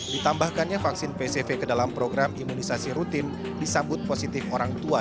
ditambahkannya vaksin pcv ke dalam program imunisasi rutin disambut positif orang tua